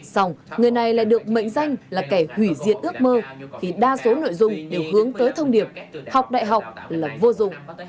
xong người này lại được mệnh danh là kẻ hủy diệt ước mơ khi đa số nội dung đều hướng tới thông điệp học đại học là vô dụng